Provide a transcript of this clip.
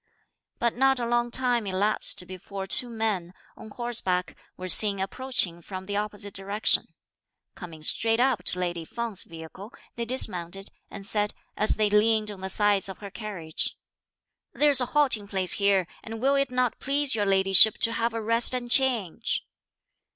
But not a long time elapsed before two men, on horseback, were seen approaching from the opposite direction. Coming straight up to lady Feng's vehicle they dismounted, and said, as they leaned on the sides of her carriage, "There's a halting place here, and will it not please your ladyship to have a rest and change?"